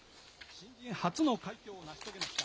新人初の快挙を成し遂げました。